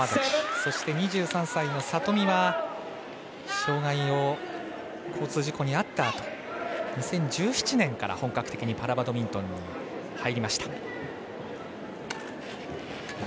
そして、２３歳の里見は交通事故に遭ったあと２０１７年から本格的にパラバドミントンに入りました。